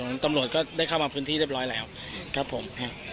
ตำรวจก็ได้เข้ามาพื้นที่เรียบร้อยแล้วครับผม